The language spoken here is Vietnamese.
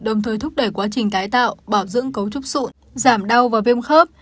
đồng thời thúc đẩy quá trình tái tạo bảo dưỡng cấu trúc sụn giảm đau và viêm khớp